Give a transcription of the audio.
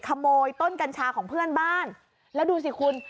ขโมยต้นกัญชาของเพื่อนบ้านแล้วดูสิคุณ